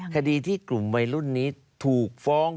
คดีที่กลุ่มวัยรุ่นนี้ถูกฟ้อง